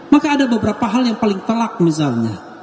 maka ada beberapa hal yang paling telak misalnya